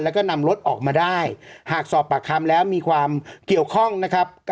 แล้วก็นำรถออกมาได้หากสอบปากคำแล้วมีความเกี่ยวข้องนะครับ